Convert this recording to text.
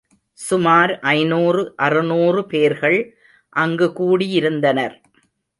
சுமார் ஐநூறு அறுநூறு பேர்கள் அங்கு கூடியிருந்தனர்.